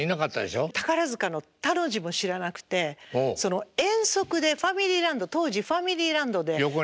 宝塚の「た」の字も知らなくてその遠足でファミリーランド当時ファミリーランドで。